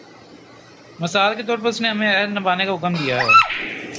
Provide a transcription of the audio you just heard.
مثال کے طور پر اس نے ہمیں عہد نبھانے کا حکم دیا ہے۔